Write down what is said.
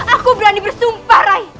aku berani bersumpah rai